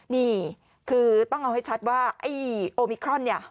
นี่คือต้องเอาให้ชัดว่าไอ้โอมิครอนเนี่ย